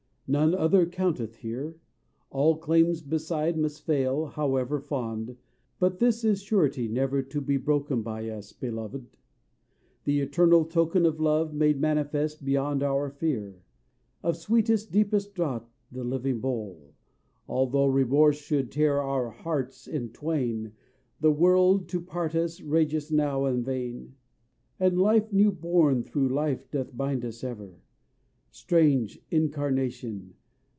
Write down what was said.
None other counteth here, All claims beside must fail, however fond, But this is surety never to be broken By us Beloved! the eternal token Of love made manifest beyond our fear: Of sweetest deepest draught the living bowl! Although remorse should tear our hearts in twain, The world, to part us, rageth now in vain And life new born through life doth bind us ever: Strange incarnation!